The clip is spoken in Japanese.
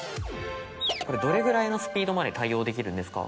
これどれくらいのスピードまで対応できるんですか？